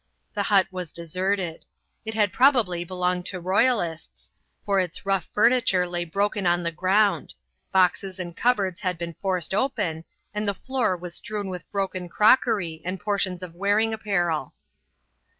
The hut was deserted. It had probably belonged to royalists, for its rough furniture lay broken on the ground; boxes and cupboards had been forced open, and the floor was strewn with broken crockery and portions of wearing apparel.